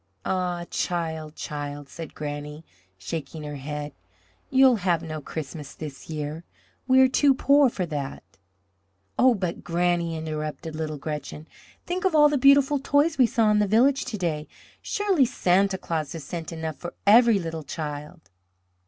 "Ah, child, child," said Granny, shaking her head, "you'll have no Christmas this year. We are too poor for that." "Oh, but, Granny," interrupted little Gretchen, "think of all the beautiful toys we saw in the village to day. Surely Santa Claus has sent enough for every little child."